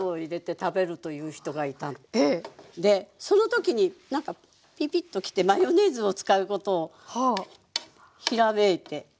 でその時になんかピピッと来てマヨネーズを使うことをひらめいて。